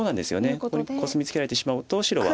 ここにコスミツケられてしまうと白は。